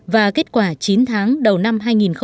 và kết quả chín tháng đầu năm hai nghìn một mươi bảy